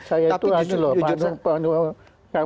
saya itu aja loh pak jaya